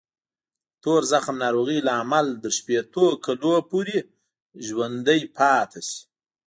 د تور زخم ناروغۍ لامل تر شپېتو کلونو پورې ژوندی پاتې شي.